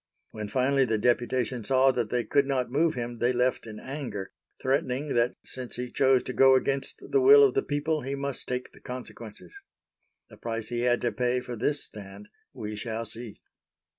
When finally the deputation saw that they could not move him, they left in anger, threatening, that since he chose to go against the will of the people, he must take the consequences. The price he had to pay for this stand we shall see.